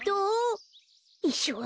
いっしょう